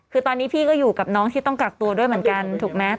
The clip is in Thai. คือตอนนี้พี่ก็อยู่กับน้องที่ต้องกักตัวด้วยเหมือนกันถูกไหม